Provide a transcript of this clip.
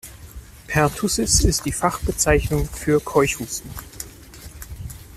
Pertussis ist die Fachbezeichnung für Keuchhusten.